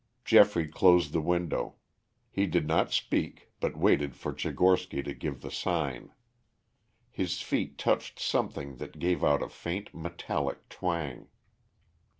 Geoffrey closed the window. He did not speak, but waited for Tchigorsky to give the sign. His feet touched something that gave out a faint metallic twang.